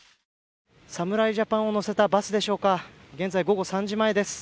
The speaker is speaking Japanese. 侍ジャパンを乗せたバスでしょうか、現在午後３時前です